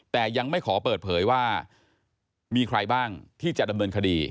แต่ยังไม่ขอเปิดเผยว่ามีใครบ้างที่จะดำเนินคดี